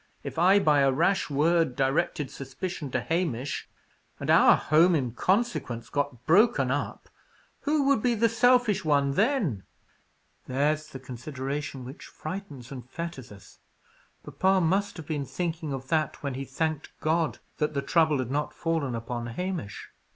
If I, by a rash word, directed suspicion to Hamish, and our home in consequence got broken up, who would be the selfish one then?" "There's the consideration which frightens and fetters us. Papa must have been thinking of that when he thanked God that the trouble had not fallen upon Hamish."